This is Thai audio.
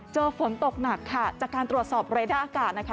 เจอฝนตกหนักค่ะจากการตรวจสอบเรด้าอากาศนะคะ